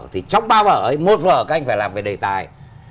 thì trong ba vở ấy một vở các anh phải làm về đề tài